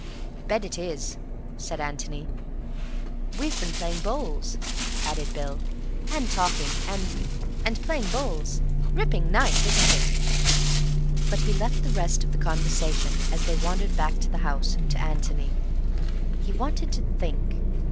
"Bed it is," said Antony. "We've been playing bowls," added Bill, "and talking, and—and playing bowls. Ripping night, isn't it?" But he left the rest of the conversation, as they wandered back to the house, to Antony. He wanted to think.